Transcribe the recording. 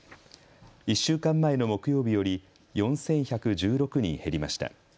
１週間前の木曜日より４１１６人減りました。